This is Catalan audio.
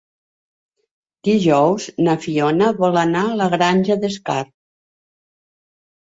Dijous na Fiona vol anar a la Granja d'Escarp.